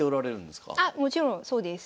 あもちろんそうです。